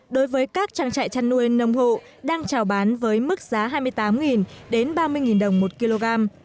đối với các trang trại chăn nuôi nông hộ đang trào bán với mức giá hai mươi tám đến ba mươi đồng một kg